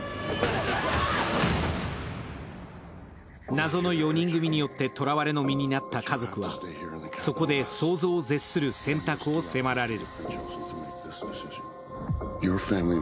謎の４人組によってとらわれの身になった家族は、そこで想像を絶する選択を迫られる。